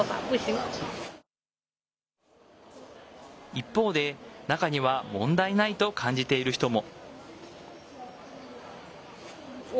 一方で、中には問題ないと感じている人も。